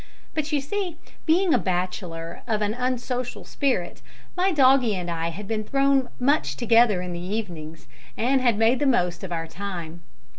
But, you see, being a bachelor of an unsocial spirit, my doggie and I had been thrown much together in the evenings, and had made the most of our time.